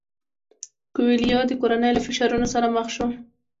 کویلیو د کورنۍ له فشارونو سره مخ شو.